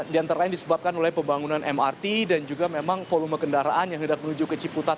di antara lain disebabkan oleh pembangunan mrt dan juga memang volume kendaraan yang hendak menuju ke ciputat